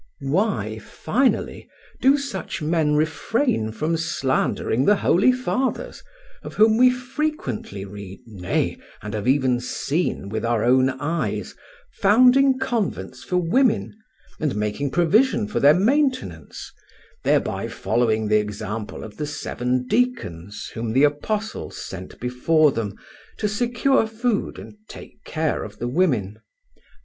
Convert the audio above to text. Why, finally, do such men refrain from slandering the holy fathers, of whom we frequently read, nay, and have even seen with our own eyes, founding convents for women and making provision for their maintenance, thereby following the example of the seven deacons whom the apostles sent before them to secure food and take care of the women?